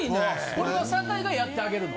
これは坂井がやってあげるの？